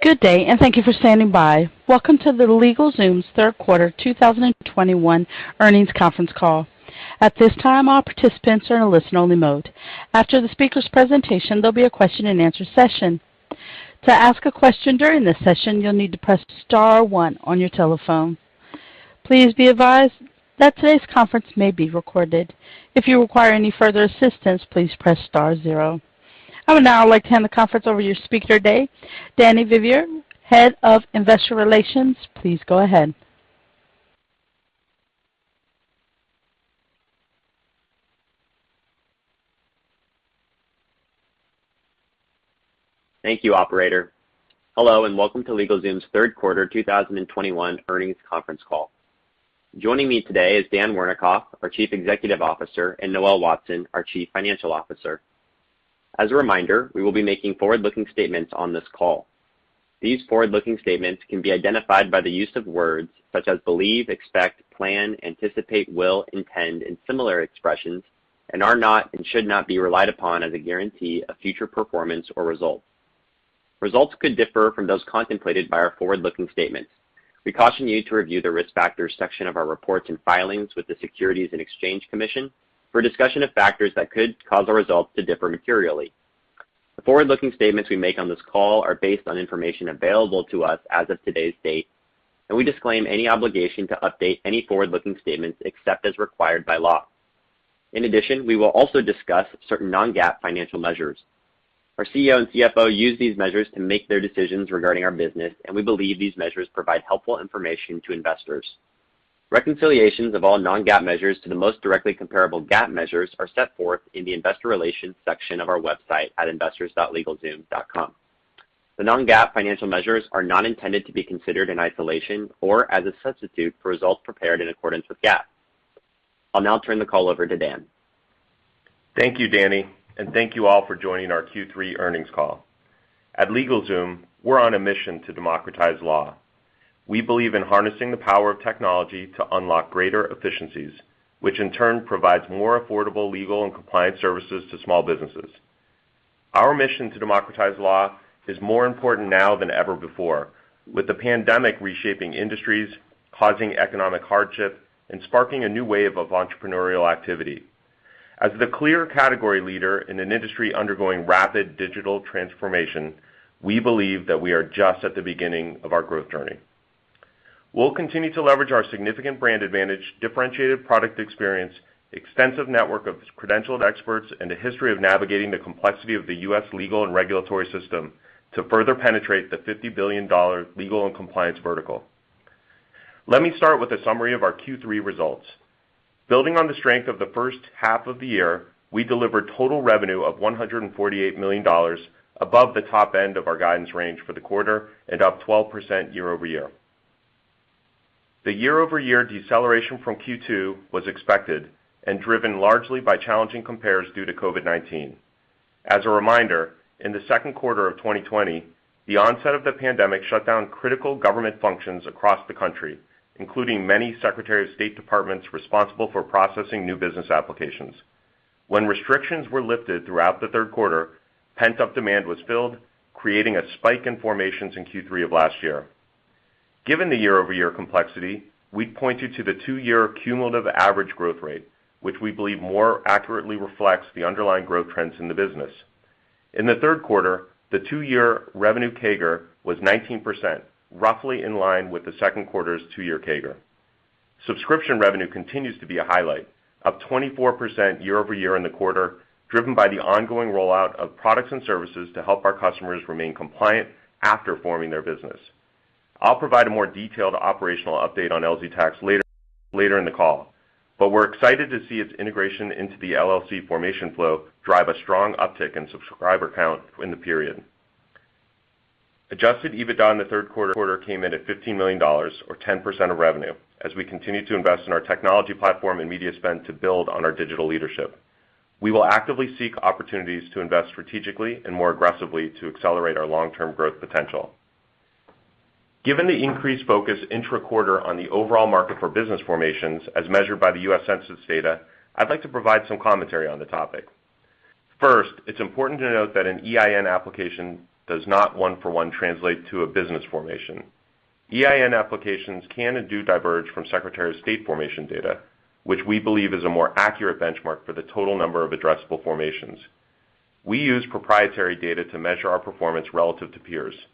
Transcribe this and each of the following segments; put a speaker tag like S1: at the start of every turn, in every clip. S1: Good day, and thank you for standing by. Welcome to the LegalZoom's Q3 2021 earnings conference call. At this time, all participants are in a listen-only mode. After the speaker's presentation, there'll be a question-and-answer session. To ask a question during this session, you'll need to press star one on your telephone. Please be advised that today's conference may be recorded. If you require any further assistance, please press star zero. I would now like to hand the conference over to your speaker today, Danny Vivier, Head of Investor Relations. Please go ahead.
S2: Thank you, operator. Hello, and welcome to LegalZoom's Q3 2021 earnings conference call. Joining me today is Dan Wernikoff, our Chief Executive Officer, and Noel Watson, our Chief Financial Officer. As a reminder, we will be making forward-looking statements on this call. These forward-looking statements can be identified by the use of words such as believe, expect, plan, anticipate, will, intend, and similar expressions, and are not and should not be relied upon as a guarantee of future performance or results. Results could differ from those contemplated by our forward-looking statements. We caution you to review the Risk Factors section of our reports and filings with the Securities and Exchange Commission for a discussion of factors that could cause our results to differ materially. The forward-looking statements we make on this call are based on information available to us as of today's date, and we disclaim any obligation to update any forward-looking statements except as required by law. In addition, we will also discuss certain non-GAAP financial measures. Our CEO and CFO use these measures to make their decisions regarding our business, and we believe these measures provide helpful information to investors. Reconciliations of all non-GAAP measures to the most directly comparable GAAP measures are set forth in the Investor Relations section of our website at investors.legalzoom.com. The non-GAAP financial measures are not intended to be considered in isolation or as a substitute for results prepared in accordance with GAAP. I'll now turn the call over to Dan.
S3: Thank you, Danny, and thank you all for joining our Q3 earnings call. At LegalZoom, we're on a mission to democratize law. We believe in harnessing the power of technology to unlock greater efficiencies, which in turn provides more affordable legal and compliance services to small businesses. Our mission to democratize law is more important now than ever before, with the pandemic reshaping industries, causing economic hardship, and sparking a new wave of entrepreneurial activity. As the clear category leader in an industry undergoing rapid digital transformation, we believe that we are just at the beginning of our growth journey. We'll continue to leverage our significant brand advantage, differentiated product experience, extensive network of credentialed experts, and a history of navigating the complexity of the US legal and regulatory system to further penetrate the $50 billion legal and compliance vertical. Let me start with a summary of our Q3 results. Building on the strength of the H1 of the year, we delivered total revenue of $148 million above the top end of our guidance range for the quarter and up 12% year-over-year. The year-over-year deceleration from Q2 was expected and driven largely by challenging compares due to COVID-19. As a reminder, in the Q2 of 2020, the onset of the pandemic shut down critical government functions across the country, including many Secretary of State departments responsible for processing new business applications. When restrictions were lifted throughout the Q3, pent-up demand was filled, creating a spike in formations in Q3 of last year. Given the year-over-year complexity, we point you to the two-year cumulative average growth rate, which we believe more accurately reflects the underlying growth trends in the business. In the Q3, the two-year revenue CAGR was 19%, roughly in line with the Q2's two-year CAGR. Subscription revenue continues to be a highlight, up 24% year-over-year in the quarter, driven by the ongoing rollout of products and services to help our customers remain compliant after forming their business. I'll provide a more detailed operational update on LZ Tax later in the call, but we're excited to see its integration into the LLC formation flow drive a strong uptick in subscriber count in the period. Adjusted EBITDA in the Q3 came in at $15 million or 10% of revenue as we continue to invest in our technology platform and media spend to build on our digital leadership. We will actively seek opportunities to invest strategically and more aggressively to accelerate our long-term growth potential. Given the increased focus intra-quarter on the overall market for business formations as measured by the US Census data, I'd like to provide some commentary on the topic. First, it's important to note that an EIN application does not one-for-one translate to a business formation. EIN applications can and do diverge from Secretary of State formation data, which we believe is a more accurate benchmark for the total number of addressable formations. We use proprietary data to measure our performance relative to peers.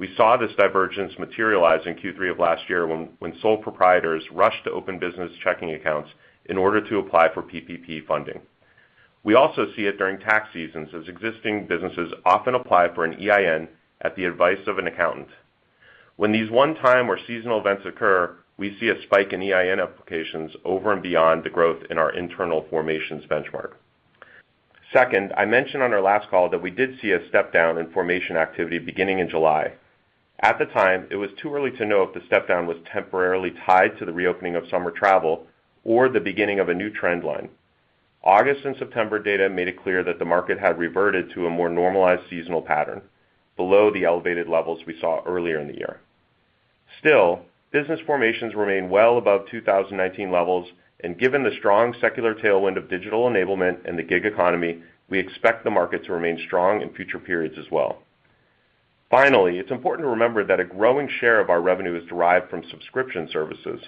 S3: We saw this divergence materialize in Q3 of last year when sole proprietors rushed to open business checking accounts in order to apply for PPP funding. We also see it during tax seasons as existing businesses often apply for an EIN at the advice of an accountant. When these one-time or seasonal events occur, we see a spike in EIN applications over and beyond the growth in our internal formations benchmark. Second, I mentioned on our last call that we did see a step-down in formation activity beginning in July. At the time, it was too early to know if the step-down was temporarily tied to the reopening of summer travel or the beginning of a new trend line. August and September data made it clear that the market had reverted to a more normalized seasonal pattern below the elevated levels we saw earlier in the year. Still, business formations remain well above 2019 levels, and given the strong secular tailwind of digital enablement and the gig economy, we expect the market to remain strong in future periods as well. Finally, it's important to remember that a growing share of our revenue is derived from subscription services.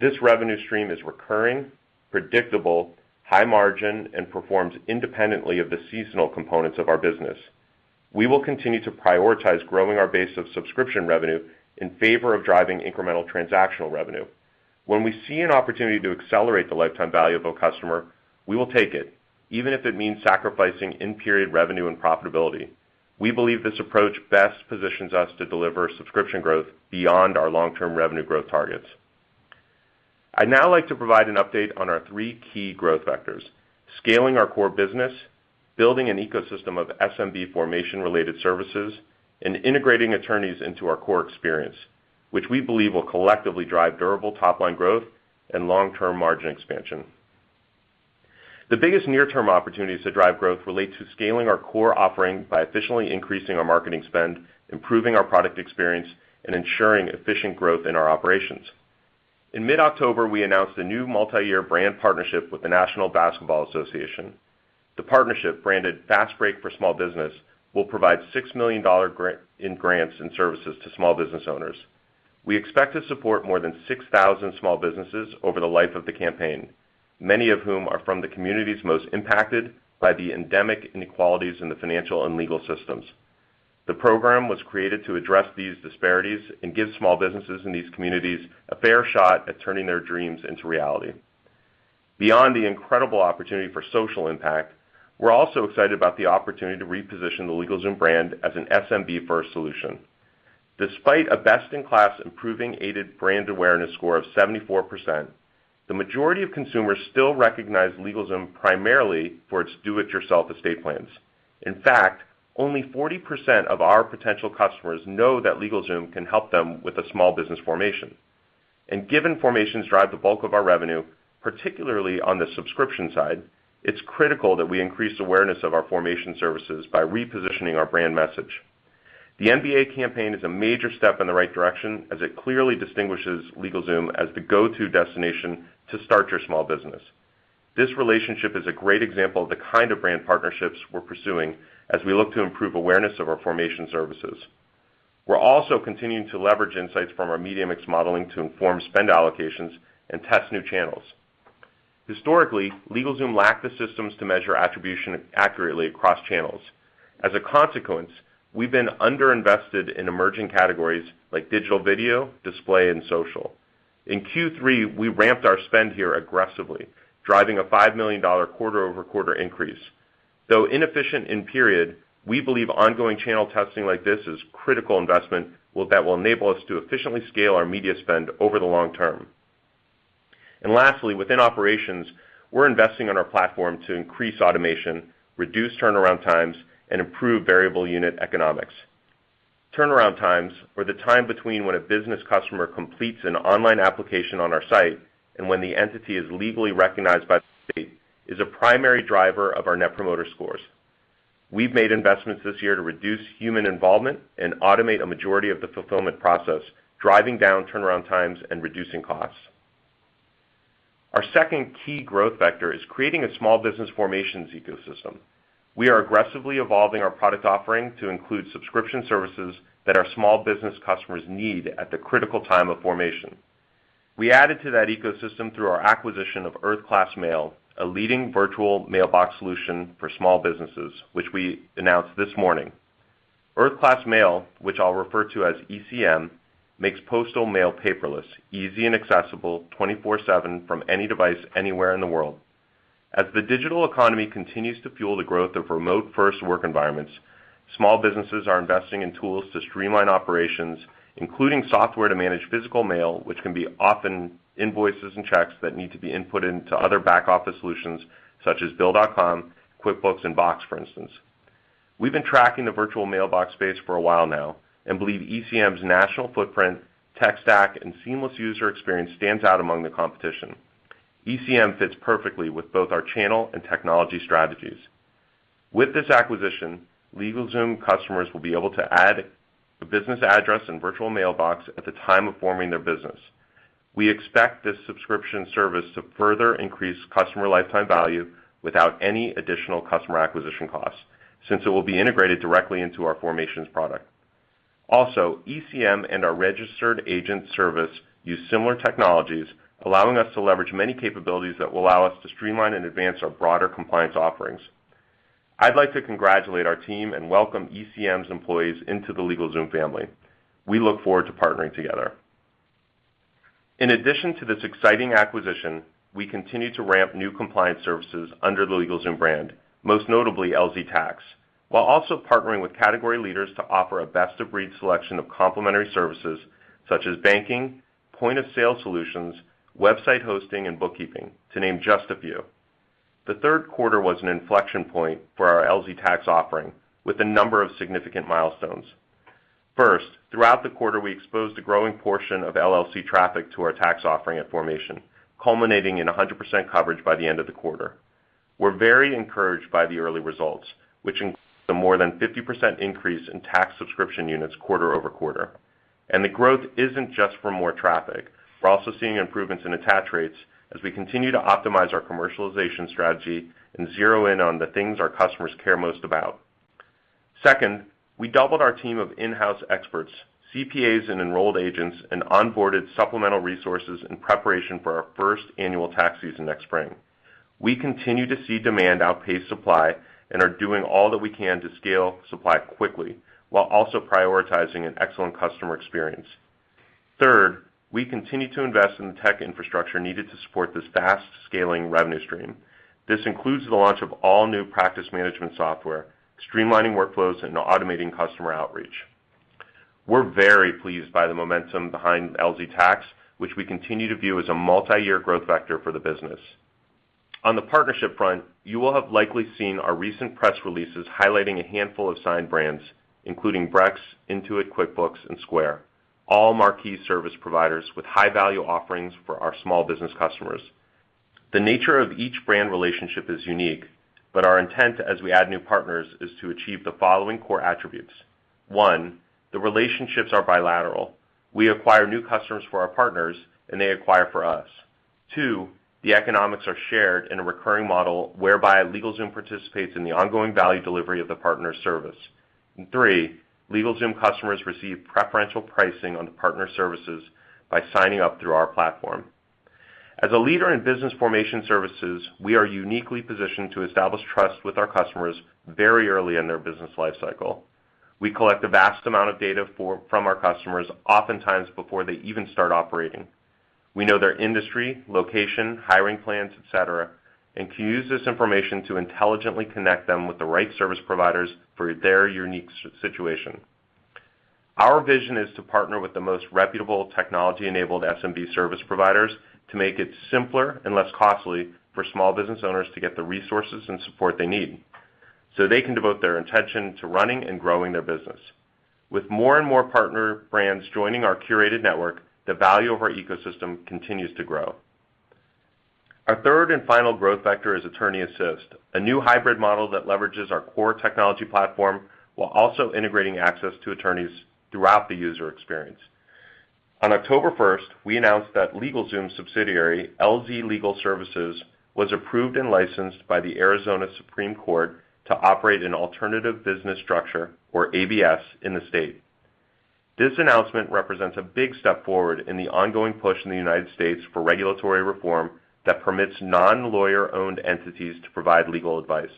S3: This revenue stream is recurring, predictable, high margin, and performs independently of the seasonal components of our business. We will continue to prioritize growing our base of subscription revenue in favor of driving incremental transactional revenue. When we see an opportunity to accelerate the lifetime value of a customer, we will take it, even if it means sacrificing in-period revenue and profitability. We believe this approach best positions us to deliver subscription growth beyond our long-term revenue growth targets. I'd now like to provide an update on our three key growth vectors, scaling our core business, building an ecosystem of SMB formation-related services, and integrating attorneys into our core experience, which we believe will collectively drive durable top-line growth and long-term margin expansion. The biggest near-term opportunities to drive growth relate to scaling our core offering by efficiently increasing our marketing spend, improving our product experience, and ensuring efficient growth in our operations. In mid-October, we announced a new multi-year brand partnership with the National Basketball Association. The partnership, branded Fast Break for Small Business, will provide $6 million grants and services to small business owners. We expect to support more than 6,000 small businesses over the life of the campaign, many of whom are from the communities most impacted by the endemic inequalities in the financial and legal systems. The program was created to address these disparities and give small businesses in these communities a fair shot at turning their dreams into reality. Beyond the incredible opportunity for social impact, we're also excited about the opportunity to reposition the LegalZoom brand as an SMB-first solution. Despite a best-in-class improving aided brand awareness score of 74%, the majority of consumers still recognize LegalZoom primarily for its do-it-yourself estate plans. In fact, only 40% of our potential customers know that LegalZoom can help them with a small business formation. Given formations drive the bulk of our revenue, particularly on the subscription side, it's critical that we increase awareness of our formation services by repositioning our brand message. The NBA campaign is a major step in the right direction as it clearly distinguishes LegalZoom as the go-to destination to start your small business. This relationship is a great example of the kind of brand partnerships we're pursuing as we look to improve awareness of our formation services. We're also continuing to leverage insights from our media mix modeling to inform spend allocations and test new channels. Historically, LegalZoom lacked the systems to measure attribution accurately across channels. As a consequence, we've been underinvested in emerging categories like digital video, display, and social. In Q3, we ramped our spend here aggressively, driving a $5 million quarter-over-quarter increase. Though inefficient in period, we believe ongoing channel testing like this is critical investment that will enable us to efficiently scale our media spend over the long term. Lastly, within operations, we're investing in our platform to increase automation, reduce turnaround times, and improve variable unit economics. Turnaround times, or the time between when a business customer completes an online application on our site and when the entity is legally recognized by the state, is a primary driver of our Net Promoter Score. We've made investments this year to reduce human involvement and automate a majority of the fulfillment process, driving down turnaround times and reducing costs. Our second key growth vector is creating a small business formations ecosystem. We are aggressively evolving our product offering to include subscription services that our small business customers need at the critical time of formation. We added to that ecosystem through our acquisition of Earth Class Mail, a leading virtual mailbox solution for small businesses, which we announced this morning. Earth Class Mail, which I'll refer to as ECM, makes postal mail paperless, easy and accessible 24/7 from any device anywhere in the world. As the digital economy continues to fuel the growth of remote-first work environments, small businesses are investing in tools to streamline operations, including software to manage physical mail, which can often be invoices and checks that need to be input into other back office solutions, such as Bill.com, QuickBooks and Box, for instance. We've been tracking the virtual mailbox space for a while now and believe ECM's national footprint, tech stack, and seamless user experience stand out among the competition. ECM fits perfectly with both our channel and technology strategies. With this acquisition, LegalZoom customers will be able to add a business address and virtual mailbox at the time of forming their business. We expect this subscription service to further increase customer lifetime value without any additional customer acquisition costs, since it will be integrated directly into our formations product. Also, ECM and our registered agent service use similar technologies, allowing us to leverage many capabilities that will allow us to streamline and advance our broader compliance offerings. I'd like to congratulate our team and welcome ECM's employees into the LegalZoom family. We look forward to partnering together. In addition to this exciting acquisition, we continue to ramp new compliance services under the LegalZoom brand, most notably LZ Tax, while also partnering with category leaders to offer a best-of-breed selection of complementary services such as banking, point-of-sale solutions, website hosting, and bookkeeping, to name just a few. The Q3 was an inflection point for our LZ Tax offering with a number of significant milestones. First, throughout the quarter, we exposed a growing portion of LLC traffic to our tax offering at formation, culminating in 100% coverage by the end of the quarter. We're very encouraged by the early results, which includes the more than 50% increase in tax subscription units quarter-over-quarter. The growth isn't just for more traffic. We're also seeing improvements in attach rates as we continue to optimize our commercialization strategy and zero in on the things our customers care most about. Second, we doubled our team of in-house experts, CPAs, and enrolled agents, and onboarded supplemental resources in preparation for our first annual tax season next spring. We continue to see demand outpace supply and are doing all that we can to scale supply quickly while also prioritizing an excellent customer experience. Third, we continue to invest in the tech infrastructure needed to support this fast-scaling revenue stream. This includes the launch of all new practice management software, streamlining workflows, and automating customer outreach. We're very pleased by the momentum behind LZ Tax, which we continue to view as a multi-year growth vector for the business. On the partnership front, you will have likely seen our recent press releases highlighting a handful of signed brands, including Brex, Intuit QuickBooks, and Square, all marquee service providers with high-value offerings for our small business customers. The nature of each brand relationship is unique, but our intent as we add new partners is to achieve the following core attributes. One, the relationships are bilateral. We acquire new customers for our partners, and they acquire for us. Two, the economics are shared in a recurring model whereby LegalZoom participates in the ongoing value delivery of the partner service. Three, LegalZoom customers receive preferential pricing on the partner services by signing up through our platform. As a leader in business formation services, we are uniquely positioned to establish trust with our customers very early in their business life cycle. We collect a vast amount of data from our customers, oftentimes before they even start operating. We know their industry, location, hiring plans, et cetera, and can use this information to intelligently connect them with the right service providers for their unique situation. Our vision is to partner with the most reputable technology-enabled SMB service providers to make it simpler and less costly for small business owners to get the resources and support they need, so they can devote their intention to running and growing their business. With more and more partner brands joining our curated network, the value of our ecosystem continues to grow. Our third and final growth vector is Attorney Assist, a new hybrid model that leverages our core technology platform while also integrating access to attorneys throughout the user experience. On October first, we announced that LegalZoom subsidiary, LZ Legal Services, was approved and licensed by the Arizona Supreme Court to operate an alternative business structure, or ABS, in the state. This announcement represents a big step forward in the ongoing push in the United States for regulatory reform that permits non-lawyer owned entities to provide legal advice.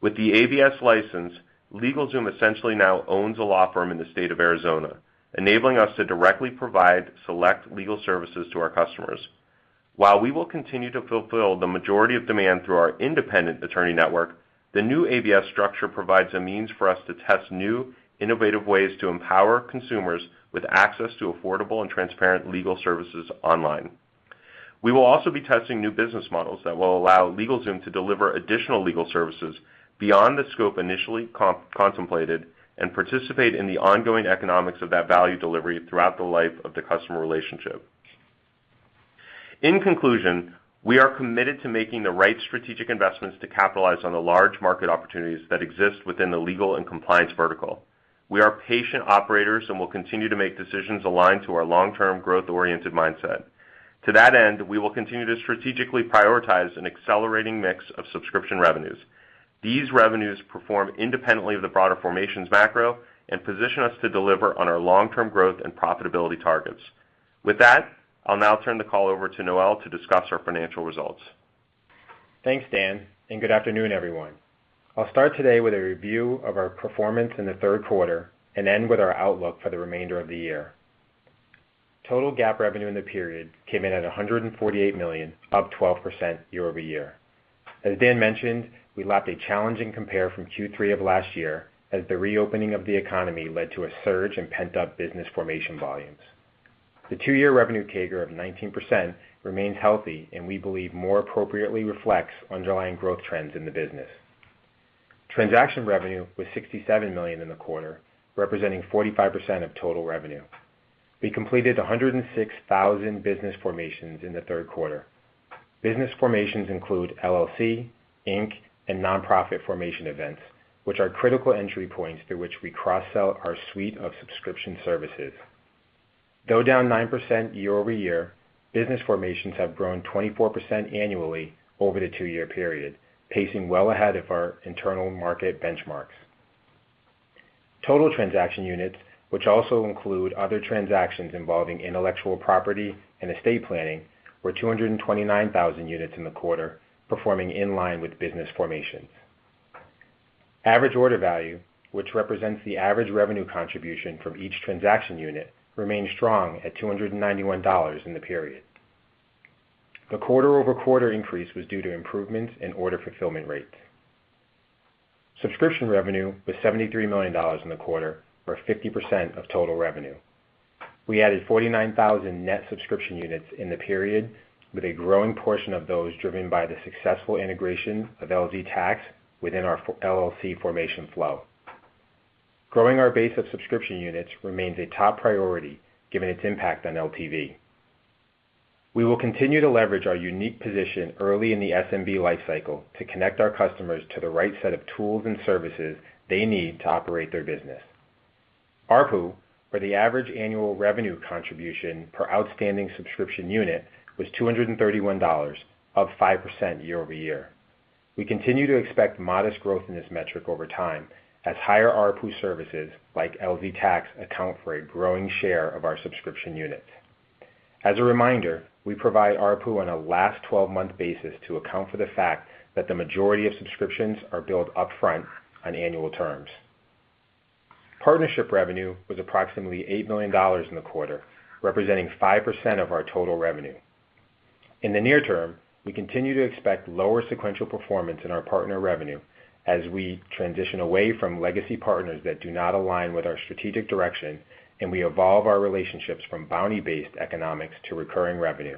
S3: With the ABS license, LegalZoom essentially now owns a law firm in the state of Arizona, enabling us to directly provide select legal services to our customers. While we will continue to fulfill the majority of demand through our independent attorney network, the new ABS structure provides a means for us to test new, innovative ways to empower consumers with access to affordable and transparent legal services online. We will also be testing new business models that will allow LegalZoom to deliver additional legal services beyond the scope initially contemplated and participate in the ongoing economics of that value delivery throughout the life of the customer relationship. In conclusion, we are committed to making the right strategic investments to capitalize on the large market opportunities that exist within the legal and compliance vertical. We are patient operators and will continue to make decisions aligned to our long-term growth-oriented mindset. To that end, we will continue to strategically prioritize an accelerating mix of subscription revenues. These revenues perform independently of the broader formations macro and position us to deliver on our long-term growth and profitability targets. With that, I'll now turn the call over to Noel to discuss our financial results.
S4: Thanks, Dan, and good afternoon, everyone. I'll start today with a review of our performance in the Q3 and end with our outlook for the remainder of the year. Total GAAP revenue in the period came in at $148 million, up 12% year-over-year. As Dan mentioned, we lapped a challenging compare from Q3 of last year as the reopening of the economy led to a surge in pent-up business formation volumes. The two-year revenue CAGR of 19% remains healthy and we believe more appropriately reflects underlying growth trends in the business. Transaction revenue was $67 million in the quarter, representing 45% of total revenue. We completed 106,000 business formations in the Q3. Business formations include LLC, Inc., and nonprofit formation events, which are critical entry points through which we cross-sell our suite of subscription services. Though down 9% year-over-year, business formations have grown 24% annually over the two-year period, pacing well ahead of our internal market benchmarks. Total transaction units, which also include other transactions involving intellectual property and estate planning, were 229,000 units in the quarter, performing in line with business formations. Average order value, which represents the average revenue contribution from each transaction unit, remained strong at $291 in the period. The quarter-over-quarter increase was due to improvements in order fulfillment rate. Subscription revenue was $73 million in the quarter, or 50% of total revenue. We added 49,000 net subscription units in the period with a growing portion of those driven by the successful integration of LZ Tax within our LLC formation flow. Growing our base of subscription units remains a top priority given its impact on LTV. We will continue to leverage our unique position early in the SMB life cycle to connect our customers to the right set of tools and services they need to operate their business. ARPU, or the average annual revenue contribution per outstanding subscription unit, was $231, up 5% year-over-year. We continue to expect modest growth in this metric over time as higher ARPU services like LZ Tax account for a growing share of our subscription units. As a reminder, we provide ARPU on a last twelve-month basis to account for the fact that the majority of subscriptions are billed upfront on annual terms. Partnership revenue was approximately $8 million in the quarter, representing 5% of our total revenue. In the near term, we continue to expect lower sequential performance in our partner revenue as we transition away from legacy partners that do not align with our strategic direction, and we evolve our relationships from bounty-based economics to recurring revenue.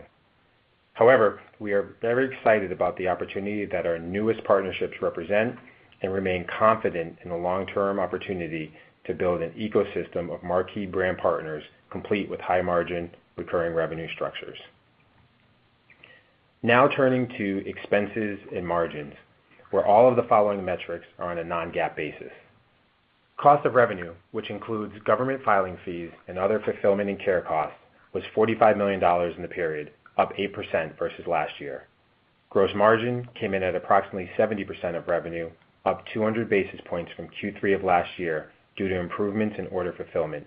S4: However, we are very excited about the opportunity that our newest partnerships represent and remain confident in the long-term opportunity to build an ecosystem of marquee brand partners, complete with high margin recurring revenue structures. Now turning to expenses and margins, where all of the following metrics are on a non-GAAP basis. Cost of revenue, which includes government filing fees and other fulfillment and care costs, was $45 million in the period, up 8% versus last year. Gross margin came in at approximately 70% of revenue, up 200 basis points from Q3 of last year due to improvements in order fulfillment.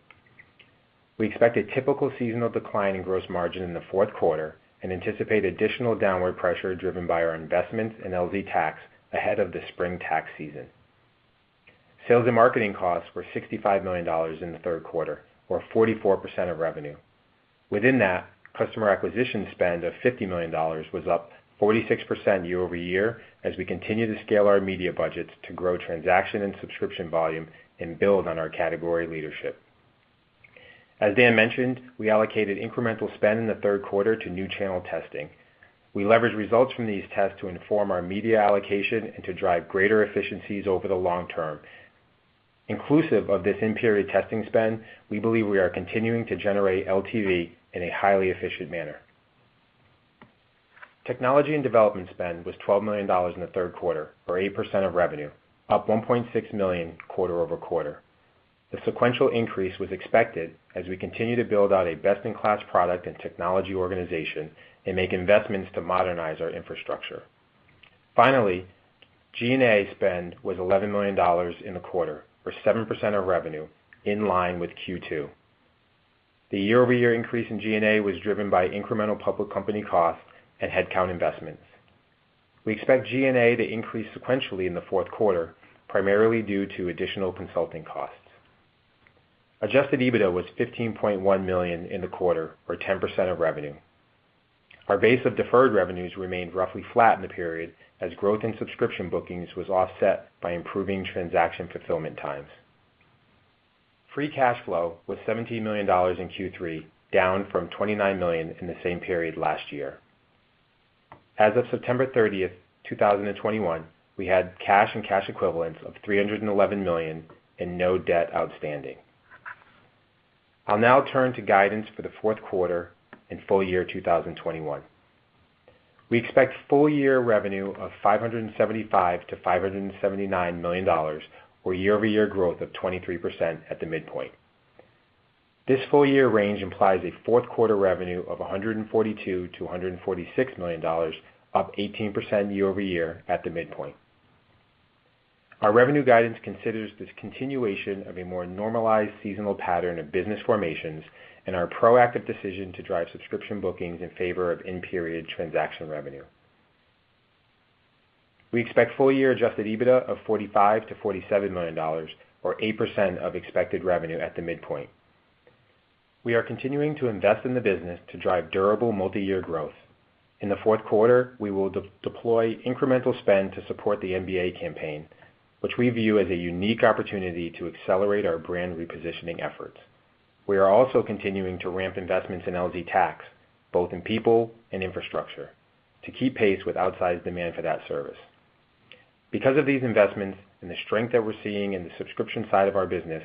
S4: We expect a typical seasonal decline in gross margin in the Q4 and anticipate additional downward pressure driven by our investments in LZ Tax ahead of the spring tax season. Sales and marketing costs were $65 million in the Q3, or 44% of revenue. Within that, customer acquisition spend of $50 million was up 46% year-over-year as we continue to scale our media budgets to grow transaction and subscription volume and build on our category leadership. As Dan mentioned, we allocated incremental spend in the Q3 to new channel testing. We leverage results from these tests to inform our media allocation and to drive greater efficiencies over the long term. Inclusive of this in-period testing spend, we believe we are continuing to generate LTV in a highly efficient manner. Technology and development spend was $12 million in the Q3, or 8% of revenue, up $1.6 million quarter-over-quarter. The sequential increase was expected as we continue to build out a best-in-class product and technology organization and make investments to modernize our infrastructure. Finally, G&A spend was $11 million in the quarter, or 7% of revenue, in line with Q2. The year-over-year increase in G&A was driven by incremental public company costs and headcount investments. We expect G&A to increase sequentially in the Q4, primarily due to additional consulting costs. Adjusted EBITDA was $15.1 million in the quarter, or 10% of revenue. Our base of deferred revenues remained roughly flat in the period as growth in subscription bookings was offset by improving transaction fulfillment times. Free cash flow was $17 million in Q3, down from $29 million in the same period last year. As of September 30th, 2021, we had cash and cash equivalents of $311 million and no debt outstanding. I'll now turn to guidance for the Q4 and full year 2021. We expect full year revenue of $575 million-$579 million, or year-over-year growth of 23% at the midpoint. This full-year range implies a Q4 revenue of $142 million-$146 million, up 18% year-over-year at the midpoint. Our revenue guidance considers this continuation of a more normalized seasonal pattern of business formations and our proactive decision to drive subscription bookings in favor of in-period transaction revenue. We expect full-year Adjusted EBITDA of $45 million-$47 million or 8% of expected revenue at the midpoint. We are continuing to invest in the business to drive durable multi-year growth. In the Q4, we will redeploy incremental spend to support the NBA campaign, which we view as a unique opportunity to accelerate our brand repositioning efforts. We are also continuing to ramp investments in LZ Tax, both in people and infrastructure, to keep pace with outsized demand for that service. Because of these investments and the strength that we're seeing in the subscription side of our business,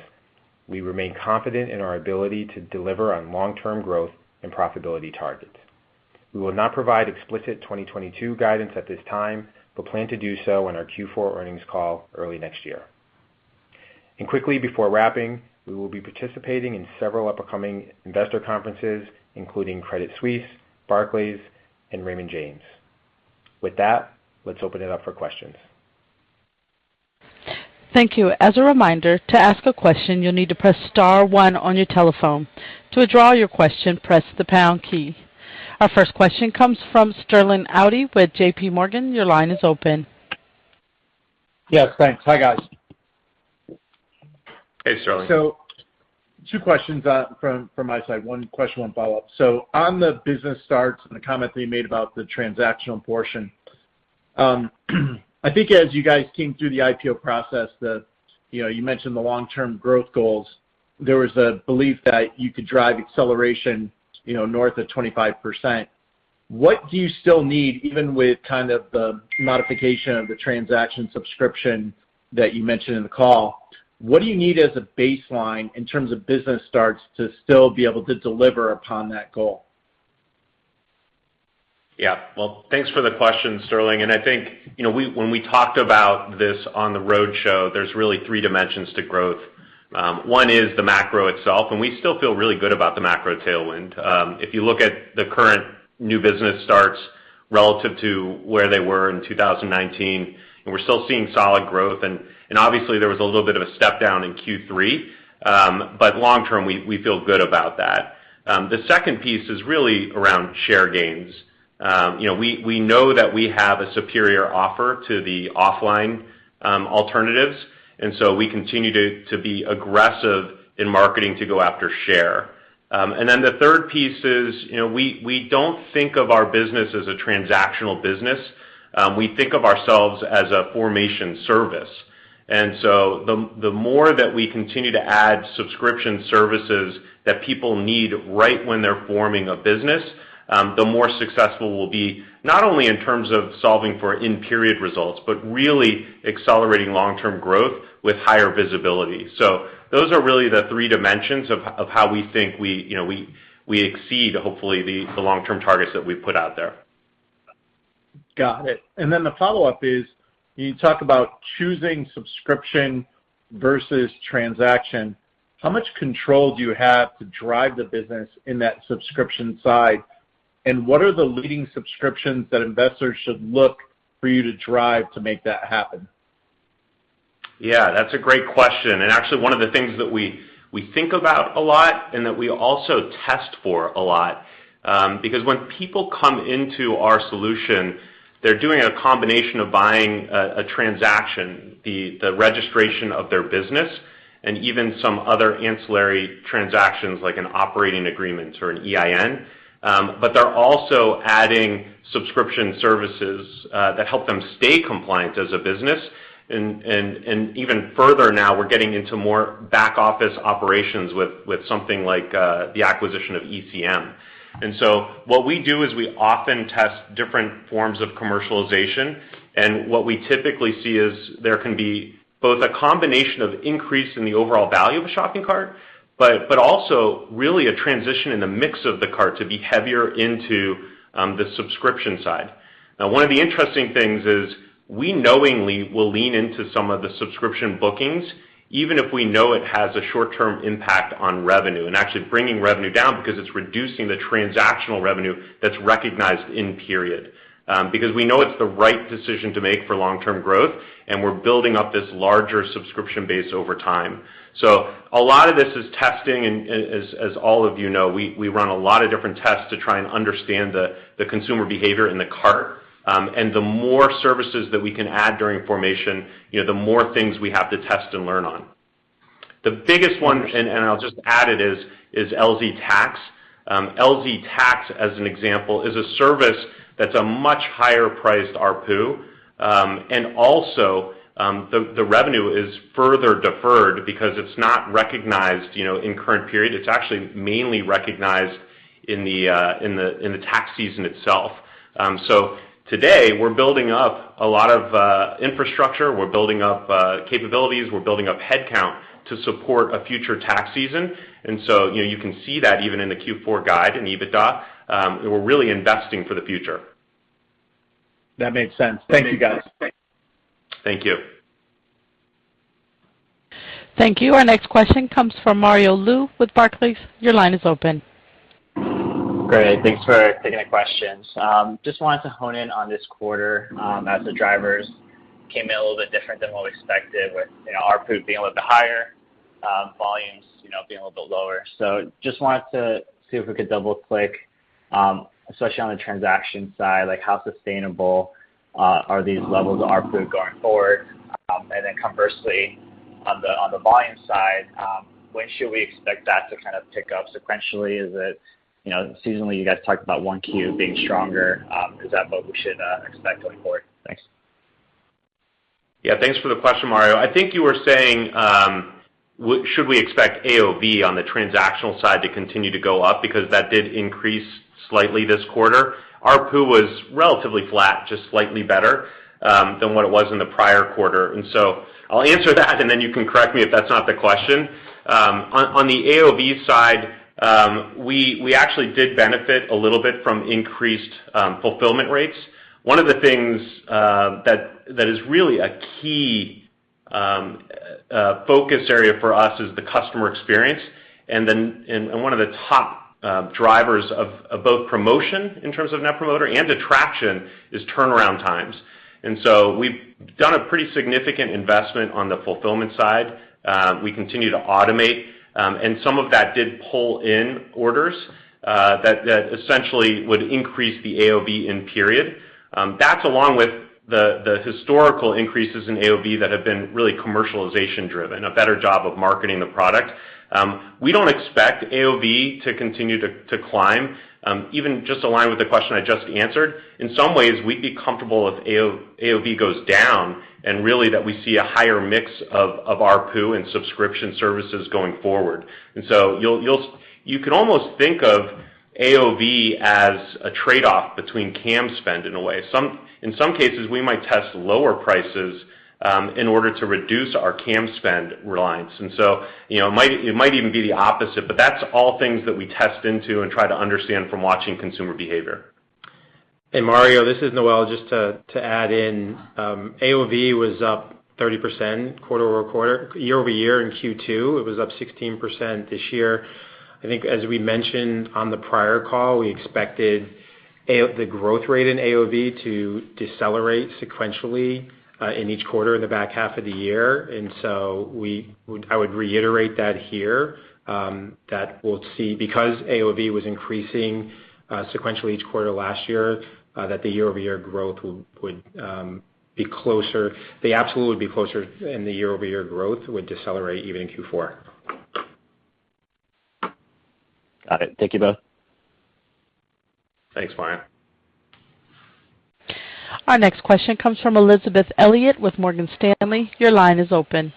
S4: we remain confident in our ability to deliver on long-term growth and profitability targets. We will not provide explicit 2022 guidance at this time, but plan to do so on our Q4 earnings call early next year. Quickly, before wrapping, we will be participating in several upcoming investor conferences, including Credit Suisse, Barclays, and Raymond James. With that, let's open it up for questions.
S1: Thank you. As a reminder, to ask a question, you'll need to press star one on your telephone. To withdraw your question, press the pound key. Our first question comes from Sterling Auty with JPMorgan. Your line is open.
S5: Yes, thanks. Hi, guys.
S4: Hey, Sterling.
S5: Two questions from my side. One question, one follow-up. On the business starts and the comment that you made about the transactional portion, I think as you guys came through the IPO process that, you know, you mentioned the long-term growth goals. There was a belief that you could drive acceleration, you know, north of 25%. What do you still need, even with kind of the modification of the transactional subscription that you mentioned in the call, what do you need as a baseline in terms of business starts to still be able to deliver upon that goal?
S3: Yeah. Well, thanks for the question, Sterling. I think, you know, when we talked about this on the roadshow, there's really three dimensions to growth. One is the macro itself, and we still feel really good about the macro tailwind. If you look at the current new business starts relative to where they were in 2019, and we're still seeing solid growth and obviously there was a little bit of a step down in Q3. But long term, we feel good about that. The second piece is really around share gains. You know, we know that we have a superior offer to the offline alternatives, and so we continue to be aggressive in marketing to go after share. The third piece is, you know, we don't think of our business as a transactional business. We think of ourselves as a formation service. The more that we continue to add subscription services that people need right when they're forming a business, the more successful we'll be, not only in terms of solving for in-period results, but really accelerating long-term growth with higher visibility. Those are really the three dimensions of how we think we exceed, hopefully, the long-term targets that we put out there.
S5: Got it. The follow-up is, you talk about choosing subscription versus transaction. How much control do you have to drive the business in that subscription side? What are the leading subscriptions that investors should look for you to drive to make that happen?
S3: Yeah, that's a great question. Actually one of the things that we think about a lot and that we also test for a lot, because when people come into our solution, they're doing a combination of buying a transaction, the registration of their business, and even some other ancillary transactions, like an operating agreement or an EIN. But they're also adding subscription services that help them stay compliant as a business. Even further now, we're getting into more back office operations with something like the acquisition of ECM. What we do is we often test different forms of commercialization, and what we typically see is there can be both a combination of increase in the overall value of a shopping cart, but also really a transition in the mix of the cart to be heavier into the subscription side. Now, one of the interesting things is we knowingly will lean into some of the subscription bookings, even if we know it has a short-term impact on revenue and actually bringing revenue down because it's reducing the transactional revenue that's recognized in period, because we know it's the right decision to make for long-term growth, and we're building up this larger subscription base over time. A lot of this is testing. As all of you know, we run a lot of different tests to try and understand the consumer behavior in the cart. The more services that we can add during formation, you know, the more things we have to test and learn on. The biggest one, and I'll just add it, is LZ Tax. LZ Tax, as an example, is a service that's a much higher priced ARPU. Also, the revenue is further deferred because it's not recognized, you know, in current period. It's actually mainly recognized in the tax season itself. Today, we're building up a lot of infrastructure. We're building up capabilities. We're building up headcount to support a future tax season. You know, you can see that even in the Q4 guide in EBITDA, we're really investing for the future.
S5: That makes sense. Thank you, guys.
S3: Thank you.
S1: Thank you. Our next question comes from Mario Lu with Barclays. Your line is open.
S6: Great. Thanks for taking the questions. Just wanted to hone in on this quarter, as the drivers came in a little bit different than what we expected with, you know, ARPU being a little bit higher, volumes, you know, being a little bit lower. Just wanted to see if we could double-click, especially on the transaction side, like how sustainable are these levels of ARPU going forward? And then conversely, on the volume side, when should we expect that to kind of tick up sequentially? Is it, you know, seasonally, you guys talked about one Q being stronger. Is that what we should expect going forward? Thanks.
S3: Yeah. Thanks for the question, Mario. I think you were saying should we expect AOV on the transactional side to continue to go up because that did increase slightly this quarter. ARPU was relatively flat, just slightly better than what it was in the prior quarter. I'll answer that, and then you can correct me if that's not the question. On the AOV side, we actually did benefit a little bit from increased fulfillment rates. One of the things that is really a key focus area for us is the customer experience. One of the top drivers of both promotion in terms of Net Promoter and attraction is turnaround times. We've done a pretty significant investment on the fulfillment side. We continue to automate, and some of that did pull in orders that essentially would increase the AOV in period. That's along with the historical increases in AOV that have been really commercialization-driven, a better job of marketing the product. We don't expect AOV to continue to climb, even just aligned with the question I just answered. In some ways, we'd be comfortable if AOV goes down and really that we see a higher mix of ARPU and subscription services going forward. You can almost think of AOV as a trade-off between CAM spend in a way. In some cases, we might test lower prices in order to reduce our CAM spend reliance. You know, it might even be the opposite, but that's all things that we test into and try to understand from watching consumer behavior.
S4: Mario, this is Noel just to add in. AOV was up 30% quarter-over-quarter. Year-over-year in Q2, it was up 16% this year. I think as we mentioned on the prior call, we expected the growth rate in AOV to decelerate sequentially in each quarter in the back half of the year. I would reiterate that here that we'll see because AOV was increasing sequentially each quarter last year that the year-over-year growth would be closer. The absolute would be closer and the year-over-year growth would decelerate even in Q4.
S6: Got it. Thank you both.
S3: Thanks, Mario.
S1: Our next question comes from Elizabeth Elliott with Morgan Stanley. Your line is open.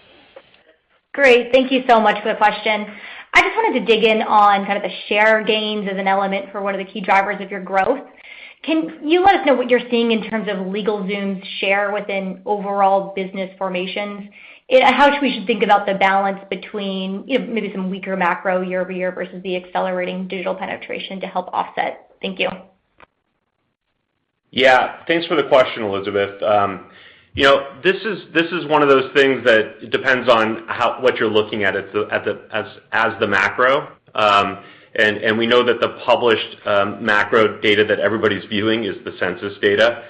S7: Great. Thank you so much for the question. I just wanted to dig in on kind of the share gains as an element for one of the key drivers of your growth. Can you let us know what you're seeing in terms of LegalZoom's share within overall business formations? How should we think about the balance between, you know, maybe some weaker macro year-over-year versus the accelerating digital penetration to help offset? Thank you.
S3: Yeah. Thanks for the question, Elizabeth. You know, this is one of those things that depends on how you're looking at it as the macro. We know that the published macro data that everybody's viewing is the Census data.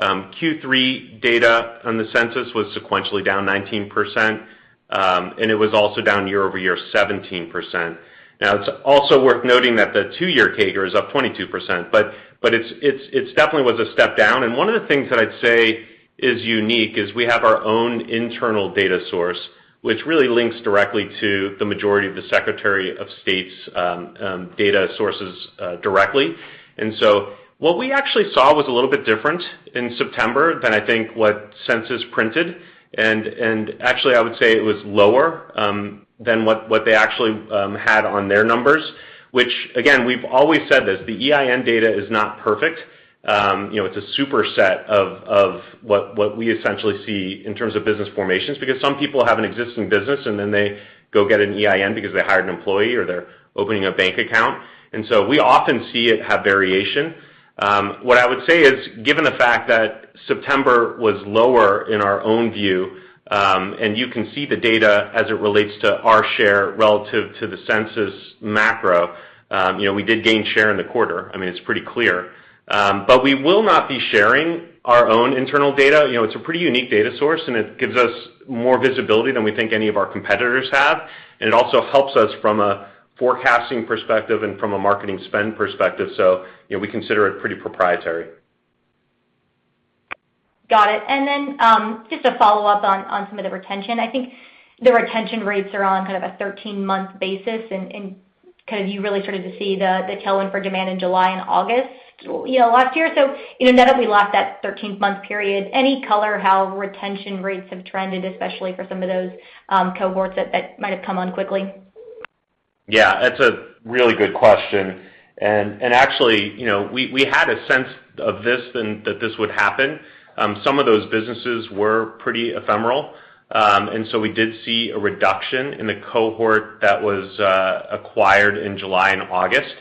S3: Q3 data from the Census was sequentially down 19%, and it was also down year-over-year 17%. Now, it's also worth noting that the two-year CAGR is up 22%, but it's definitely was a step down. One of the things that I'd say is unique is we have our own internal data source, which really links directly to the majority of the Secretary of State's data sources directly. What we actually saw was a little bit different in September than I think what Census printed. Actually I would say it was lower than what they actually had on their numbers, which again, we've always said this, the EIN data is not perfect. You know, it's a superset of what we essentially see in terms of business formations because some people have an existing business and then they go get an EIN because they hired an employee or they're opening a bank account. We often see it have variation. What I would say is given the fact that September was lower in our own view, and you can see the data as it relates to our share relative to the Census macro, you know, we did gain share in the quarter. I mean, it's pretty clear. We will not be sharing our own internal data. You know, it's a pretty unique data source, and it gives us more visibility than we think any of our competitors have. It also helps us from a forecasting perspective and from a marketing spend perspective. You know, we consider it pretty proprietary.
S7: Got it. Just a follow-up on some of the retention. I think the retention rates are on kind of a 13-month basis and kind of you really started to see the tailwind for demand in July and August, you know, last year. You know, net, we lost that 13th-month period. Any color how retention rates have trended, especially for some of those cohorts that might have come on quickly?
S3: Yeah, that's a really good question. Actually, you know, we had a sense of this and that this would happen. Some of those businesses were pretty ephemeral. We did see a reduction in the cohort that was acquired in July and August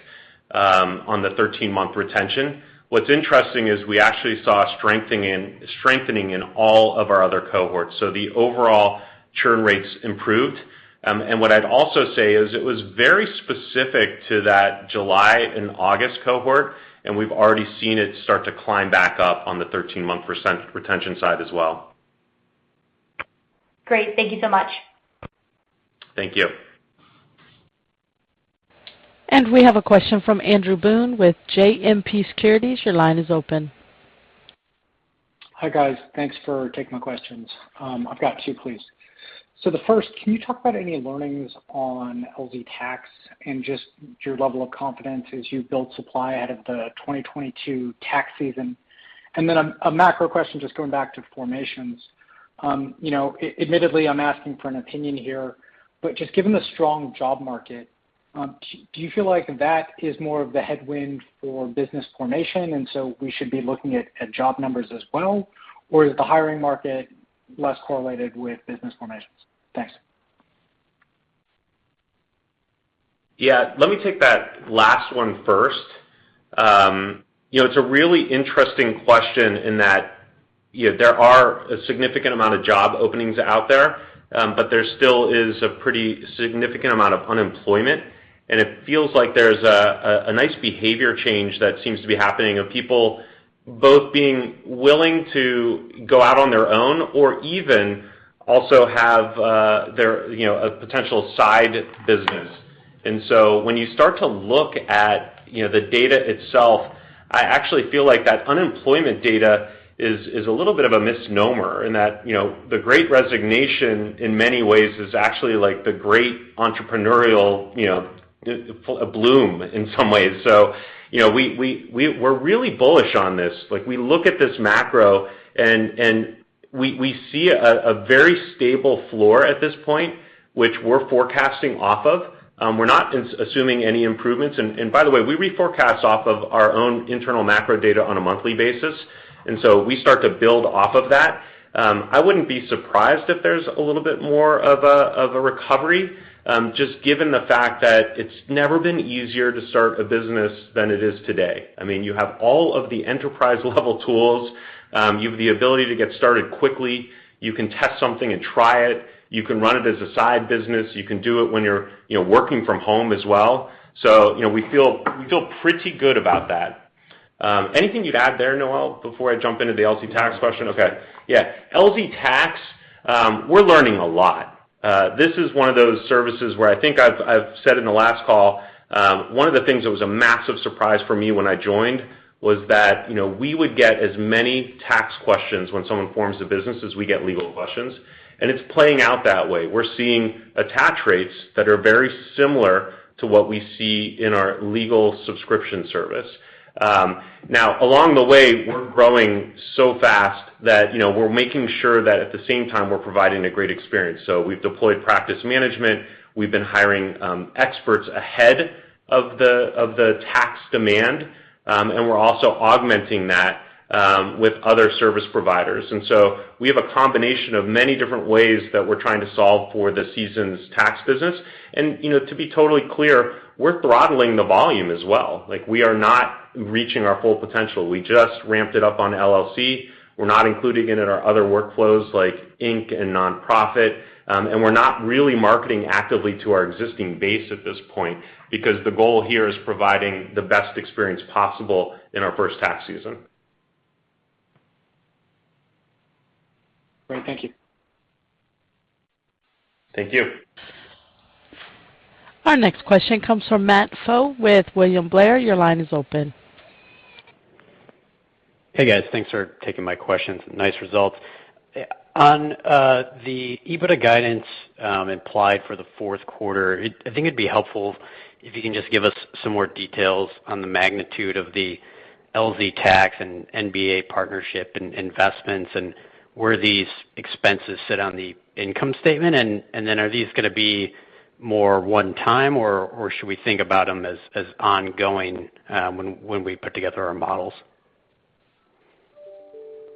S3: on the 13-month retention. What's interesting is we actually saw a strengthening in all of our other cohorts. The overall churn rates improved. What I'd also say is it was very specific to that July and August cohort, and we've already seen it start to climb back up on the 13-month % retention side as well.
S7: Great. Thank you so much.
S3: Thank you.
S1: We have a question from Andrew Boone with JMP Securities. Your line is open.
S8: Hi, guys. Thanks for taking my questions. I've got two, please. The first, can you talk about any learnings on LZ Tax and just your level of confidence as you've built supply out of the 2022 tax season? A macro question, just going back to formations. You know, admittedly, I'm asking for an opinion here, but just given the strong job market, do you feel like that is more of the headwind for business formation, and so we should be looking at job numbers as well? Or is the hiring market less correlated with business formations? Thanks.
S3: Yeah. Let me take that last one first. You know, it's a really interesting question in that, you know, there are a significant amount of job openings out there, but there still is a pretty significant amount of unemployment. It feels like there's a nice behavior change that seems to be happening of people both being willing to go out on their own or even also have their, you know, a potential side business. When you start to look at, you know, the data itself, I actually feel like that unemployment data is a little bit of a misnomer in that, you know, the great resignation in many ways is actually like the great entrepreneurial, you know, a bloom in some ways. You know, we're really bullish on this. Like, we look at this macro and we see a very stable floor at this point, which we're forecasting off of. We're not assuming any improvements. By the way, we reforecast off of our own internal macro data on a monthly basis. We start to build off of that. I wouldn't be surprised if there's a little bit more of a recovery, just given the fact that it's never been easier to start a business than it is today. I mean, you have all of the enterprise level tools, you have the ability to get started quickly. You can test something and try it. You can run it as a side business. You can do it when you're, you know, working from home as well. You know, we feel pretty good about that. Anything you'd add there, Noel, before I jump into the LZ Tax question?
S4: No.
S3: LZ Tax, we're learning a lot. This is one of those services where I think I've said in the last call, one of the things that was a massive surprise for me when I joined was that, you know, we would get as many tax questions when someone forms a business as we get legal questions, and it's playing out that way. We're seeing attach rates that are very similar to what we see in our legal subscription service. Now along the way, we're growing so fast that, you know, we're making sure that at the same time we're providing a great experience. We've deployed practice management. We've been hiring experts ahead of the tax demand, and we're also augmenting that with other service providers. We have a combination of many different ways that we're trying to solve for the season's tax business. You know, to be totally clear, we're throttling the volume as well. Like, we are not reaching our full potential. We just ramped it up on LLC. We're not including it in our other workflows like Inc. and nonprofit. We're not really marketing actively to our existing base at this point because the goal here is providing the best experience possible in our first tax season.
S8: Great. Thank you.
S3: Thank you.
S1: Our next question comes from Matt Pfau with William Blair. Your line is open.
S9: Hey, guys. Thanks for taking my questions. Nice results. On the EBITDA guidance implied for the Q4, I think it'd be helpful if you can just give us some more details on the magnitude of the LZ Tax and NBA partnership and investments and where these expenses sit on the income statement. Are these gonna be more one time, or should we think about them as ongoing when we put together our models?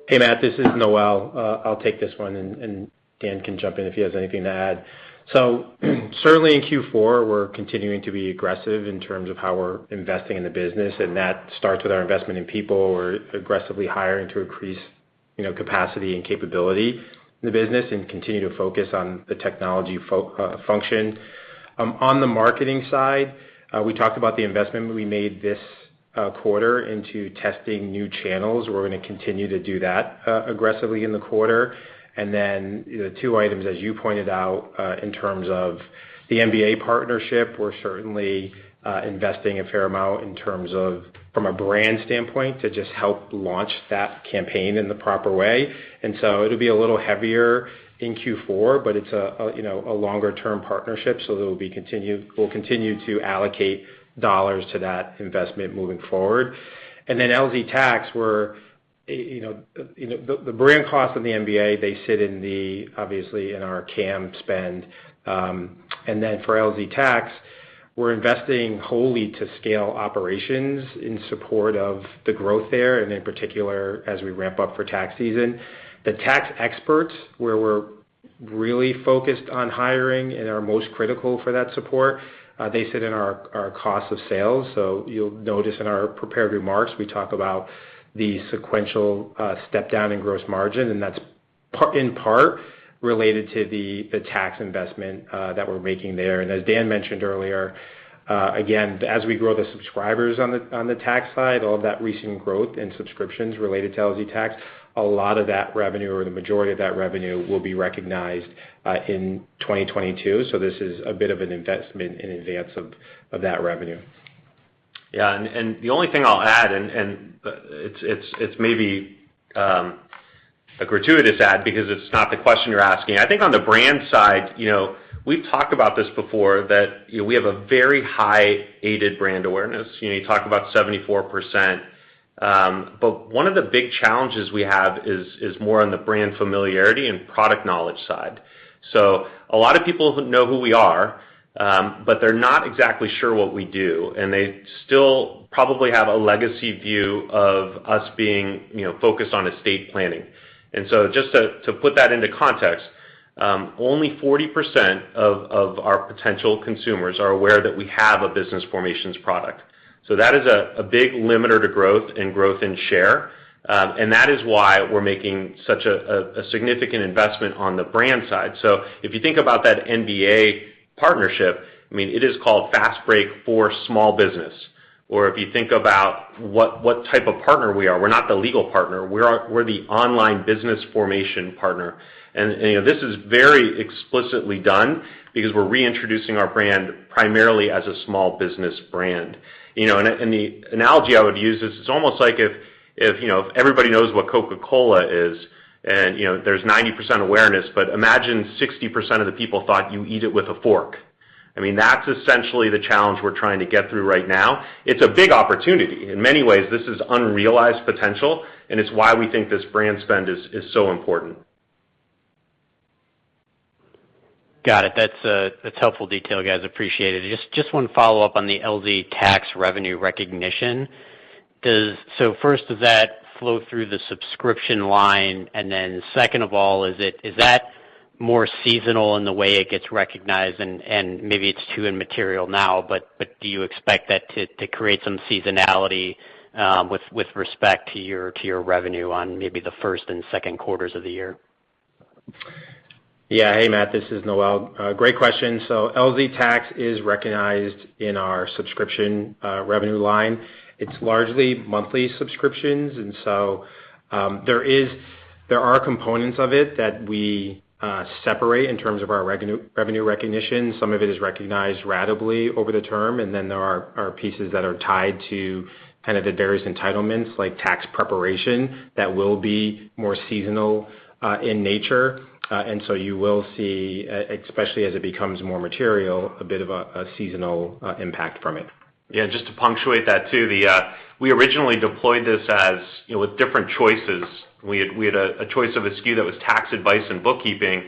S4: Hey, Matt, this is Noel. I'll take this one and Dan can jump in if he has anything to add. Certainly in Q4, we're continuing to be aggressive in terms of how we're investing in the business, and that starts with our investment in people. We're aggressively hiring to increase, you know, capacity and capability in the business and continue to focus on the technology function. On the marketing side, we talked about the investment we made this quarter into testing new channels. We're gonna continue to do that aggressively in the quarter. Then the two items, as you pointed out, in terms of the NBA partnership, we're certainly investing a fair amount in terms of from a brand standpoint to just help launch that campaign in the proper way. It'll be a little heavier in Q4, but it's a longer-term partnership, so we'll continue to allocate dollars to that investment moving forward. Then LZ Tax, the brand cost of the NBA, they sit in our CAM spend. For LZ Tax, we're investing wholly to scale operations in support of the growth there, and in particular, as we ramp up for tax season. The tax experts, where we're really focused on hiring and are most critical for that support, they sit in our cost of sales. You'll notice in our prepared remarks, we talk about the sequential step down in gross margin, and that's in part related to the tax investment that we're making there. As Dan mentioned earlier, again, as we grow the subscribers on the tax side, all of that recent growth in subscriptions related to LZ Tax, a lot of that revenue or the majority of that revenue will be recognized in 2022. This is a bit of an investment in advance of that revenue.
S3: The only thing I'll add, and it's maybe a gratuitous add because it's not the question you're asking. I think on the brand side, you know, we've talked about this before that, you know, we have a very high aided brand awareness. You know, you talk about 74%. But one of the big challenges we have is more on the brand familiarity and product knowledge side. A lot of people know who we are, but they're not exactly sure what we do, and they still probably have a legacy view of us being, you know, focused on estate planning. Just to put that into context, only 40% of our potential consumers are aware that we have a business formations product. That is a big limiter to growth and growth in share. That is why we're making such a significant investment on the brand side. If you think about that NBA partnership, I mean, it is called Fast Break for Small Business. Or if you think about what type of partner we are, we're not the legal partner. We're the online business formation partner. You know, this is very explicitly done because we're reintroducing our brand primarily as a small business brand. You know, and the analogy I would use is it's almost like if, you know, if everybody knows what Coca-Cola is and, you know, there's 90% awareness, but imagine 60% of the people thought you eat it with a fork. I mean, that's essentially the challenge we're trying to get through right now. It's a big opportunity. In many ways, this is unrealized potential, and it's why we think this brand spend is so important.
S9: Got it. That's helpful detail, guys. Appreciate it. Just one follow-up on the LZ Tax revenue recognition. So first, does that flow through the subscription line? And then second of all, is that more seasonal in the way it gets recognized? And maybe it's too immaterial now, but do you expect that to create some seasonality with respect to your revenue on maybe the first and Q2s of the year?
S4: Yeah. Hey, Matt, this is Noel. Great question. LZ Tax is recognized in our subscription revenue line. It's largely monthly subscriptions, and there are components of it that we separate in terms of our revenue recognition. Some of it is recognized ratably over the term, and then there are pieces that are tied to kind of the various entitlements, like tax preparation, that will be more seasonal in nature. You will see, especially as it becomes more material, a bit of a seasonal impact from it.
S3: Yeah, just to punctuate that too. We originally deployed this as, you know, with different choices. We had a choice of a SKU that was tax advice and bookkeeping,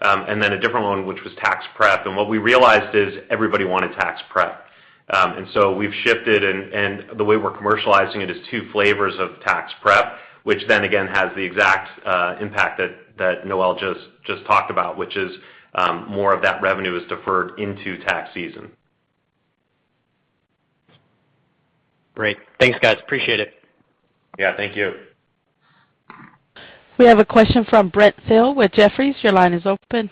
S3: and then a different one which was tax prep. What we realized is everybody wanted tax prep. We've shifted and the way we're commercializing it is two flavors of tax prep, which then again has the exact impact that Noel just talked about, which is more of that revenue is deferred into tax season.
S9: Great. Thanks, guys. Appreciate it.
S3: Yeah, thank you.
S1: We have a question from Brent Thill with Jefferies. Your line is open.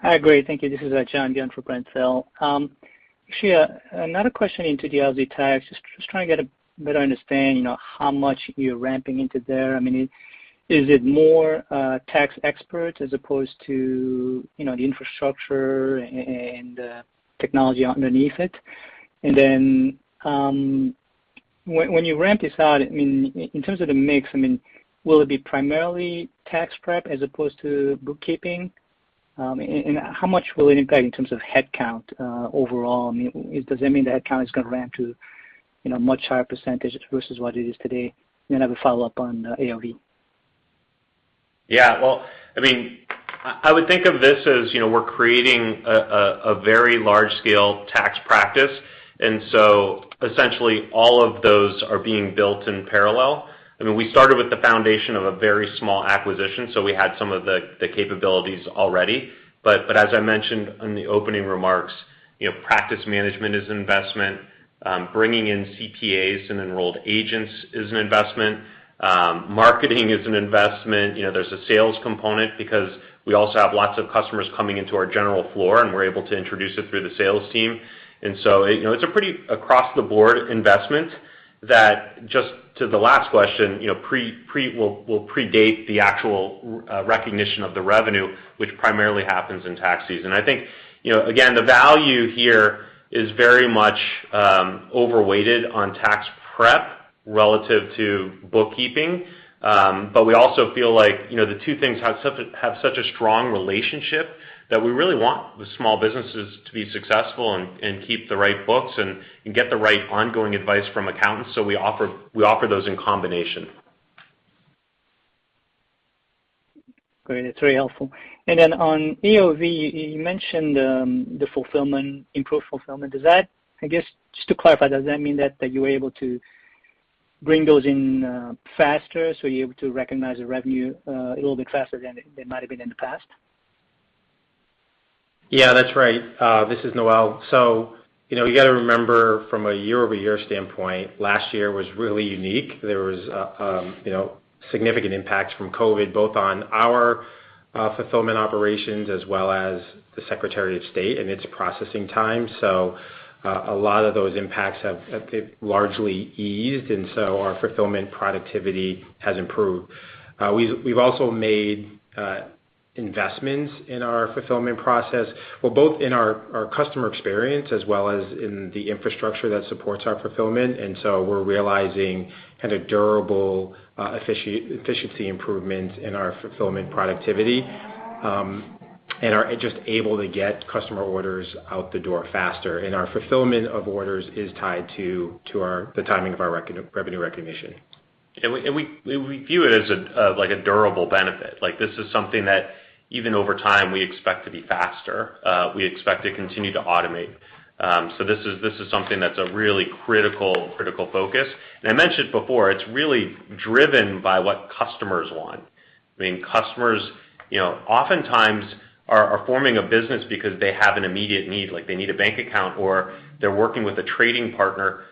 S10: Hi. Great, thank you. This is John Byun for Brent Thill. Actually, another question into the LZ Tax. Just trying to get a better understanding of how much you're ramping into there. I mean, is it more tax experts as opposed to, you know, the infrastructure and technology underneath it? Then, when you ramp this out, I mean, in terms of the mix, I mean, will it be primarily tax prep as opposed to bookkeeping? And how much will it impact in terms of headcount, overall? I mean, does that mean the headcount is gonna ramp to, you know, much higher percentage versus what it is today? Then I have a follow-up on AOV.
S3: Yeah. Well, I mean, I would think of this as, you know, we're creating a very large-scale tax practice, and so essentially all of those are being built in parallel. I mean, we started with the foundation of a very small acquisition, so we had some of the capabilities already. As I mentioned in the opening remarks, you know, practice management is an investment. Bringing in CPAs and enrolled agents is an investment. Marketing is an investment. You know, there's a sales component because we also have lots of customers coming into our general floor, and we're able to introduce it through the sales team. You know, it's a pretty across-the-board investment that, just to the last question, you know, will predate the actual recognition of the revenue, which primarily happens in tax season. I think, you know, again, the value here is very much overweighted on tax prep relative to bookkeeping. But we also feel like, you know, the two things have such a strong relationship that we really want the small businesses to be successful and keep the right books and get the right ongoing advice from accountants. We offer those in combination.
S10: Great. That's very helpful. Then on AOV, you mentioned the fulfillment, improved fulfillment. Does that, I guess just to clarify, does that mean that you were able to bring those in faster, so you're able to recognize the revenue a little bit faster than they might have been in the past?
S4: Yeah, that's right. This is Noel. You know, you gotta remember from a year-over-year standpoint, last year was really unique. There was you know, significant impacts from COVID, both on our fulfillment operations as well as the Secretary of State and its processing time. A lot of those impacts have largely eased, and our fulfillment productivity has improved. We've also made investments in our fulfillment process, well, both in our customer experience as well as in the infrastructure that supports our fulfillment. We're realizing kind of durable efficiency improvements in our fulfillment productivity, and are just able to get customer orders out the door faster. Our fulfillment of orders is tied to the timing of our revenue recognition.
S3: We view it as like a durable benefit. Like, this is something that even over time, we expect to be faster. We expect to continue to automate. This is something that's a really critical focus. I mentioned before, it's really driven by what customers want. I mean, customers, you know, oftentimes are forming a business because they have an immediate need, like they need a bank account, or they're working with a trading partner,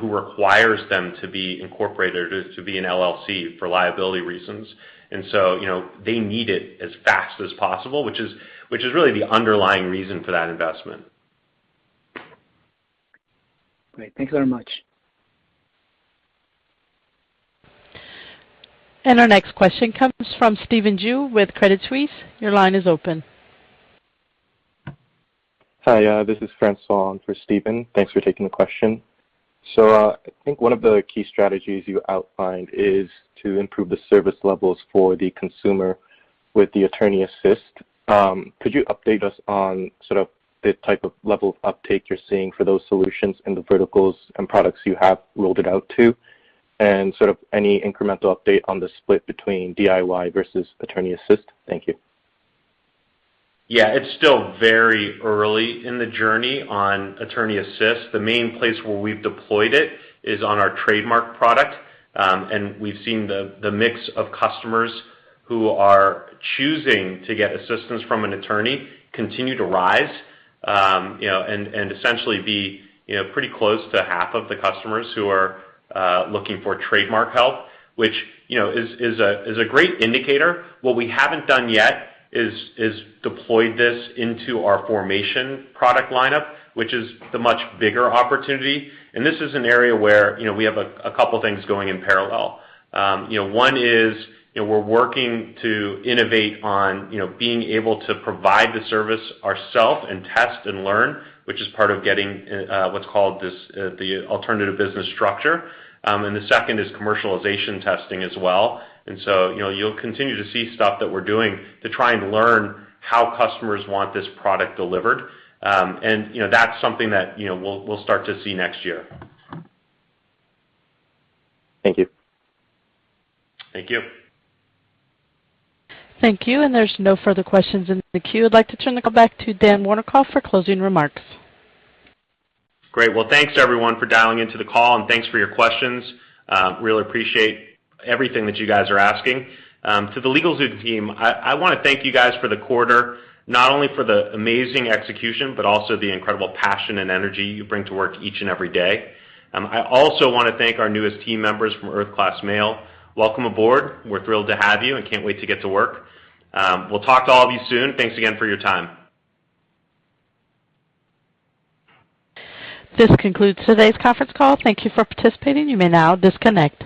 S3: who requires them to be incorporated or to be an LLC for liability reasons. You know, they need it as fast as possible, which is really the underlying reason for that investment.
S10: Great. Thank you very much.
S1: Our next question comes from Stephen Ju with Credit Suisse. Your line is open.
S11: Hi. This is Francois for Stephen. Thanks for taking the question. I think one of the key strategies you outlined is to improve the service levels for the consumer with the Attorney Assist. Could you update us on sort of the type of level of uptake you're seeing for those solutions in the verticals and products you have rolled it out to? Sort of any incremental update on the split between DIY versus Attorney Assist? Thank you.
S3: Yeah. It's still very early in the journey on Attorney Assist. The main place where we've deployed it is on our trademark product. We've seen the mix of customers who are choosing to get assistance from an attorney continue to rise, you know, and essentially be, you know, pretty close to half of the customers who are looking for trademark help, which, you know, is a great indicator. What we haven't done yet is deployed this into our formation product lineup, which is the much bigger opportunity. This is an area where, you know, we have a couple things going in parallel. You know, one is, you know, we're working to innovate on, you know, being able to provide the service ourselves and test and learn, which is part of getting what's called the alternative business structure. The second is commercialization testing as well. You'll continue to see stuff that we're doing to try and learn how customers want this product delivered. That's something that, you know, we'll start to see next year.
S11: Thank you.
S3: Thank you.
S1: Thank you. There's no further questions in the queue. I'd like to turn the call back to Dan Wernikoff for closing remarks.
S3: Great. Well, thanks everyone for dialing into the call, and thanks for your questions. Really appreciate everything that you guys are asking. To the LegalZoom team, I wanna thank you guys for the quarter, not only for the amazing execution, but also the incredible passion and energy you bring to work each and every day. I also wanna thank our newest team members from Earth Class Mail. Welcome aboard. We're thrilled to have you and can't wait to get to work. We'll talk to all of you soon. Thanks again for your time.
S1: This concludes today's conference call. Thank you for participating. You may now disconnect.